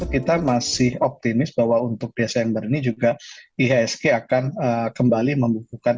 kita masih optimis bahwa untuk desember ini juga ihsg akan kembali membukukan